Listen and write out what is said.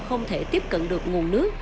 không thể tiếp cận được nguồn nước